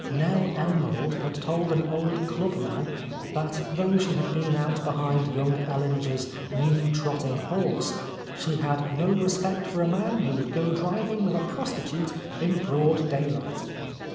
Nell Emerald had told an old club man that though she had been out behind young Ellinger's new trotting horse, she "had no respect for a man who would go driving with a prostitute in broad daylight."